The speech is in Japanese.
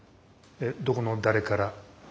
えどこの誰から？